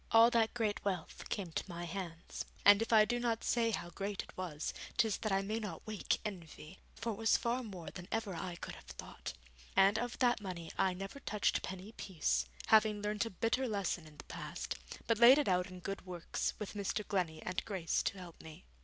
All that great wealth came to my hands, and if I do not say how great it was, 'tis that I may not wake envy, for it was far more than ever I could have thought. And of that money I never touched penny piece, having learnt a bitter lesson in the past, but laid it out in good works, with Mr. Glennie and Grace to help me.